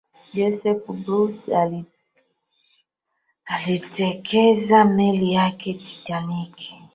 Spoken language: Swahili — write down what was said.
joseph bruce aliitelekeza meli yake ya titanic